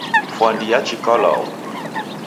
Fwandi yachika lwau